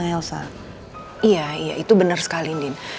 iya iya itu benar sekali din